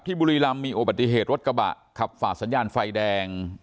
บุรีรำมีอุบัติเหตุรถกระบะขับฝ่าสัญญาณไฟแดง